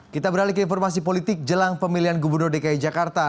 kita beralih ke informasi politik jelang pemilihan gubernur dki jakarta